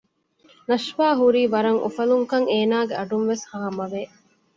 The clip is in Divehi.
ނަޝްވާ ހުރީ ވަރަށް އުފަލުންކަން އޭނާގެ އަޑުންވެސް ހާމަވެ